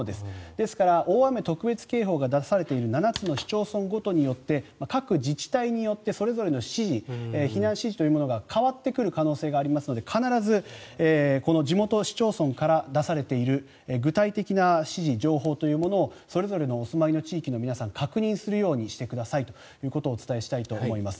ですから、大雨特別警報が出されている７つの市町村ごとによって各自治体によってそれぞれの指示避難指示というものが変わってくる可能性がありますので必ずこの地元市町村から出されている具体的な指示、情報というものをそれぞれのお住まいの地域の皆さんは確認するようにしてくださいということをお伝えしたいと思います。